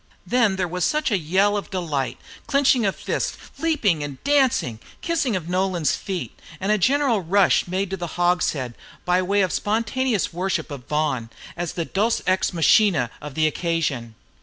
Then there was such a yell of delight, clinching of fists, leaping and dancing, kissing of Nolan's feet, and a general rush made to the hogshead by way of spontaneous worship of Vaughan, as the deus ex machina of the occasion.